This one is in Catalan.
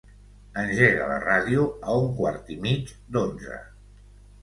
Engega la ràdio a un quart i mig d'onze.